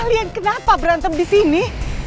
kalian kenapa berantem disini